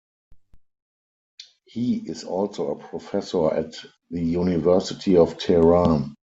He is also a professor at the University of Tehran.